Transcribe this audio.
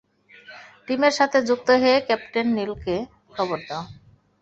টিমের সাথে যুক্ত হয়ে ক্যাপ্টেন নিলকে খবর দাও।